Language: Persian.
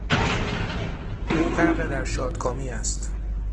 او غرق در شادکامی است.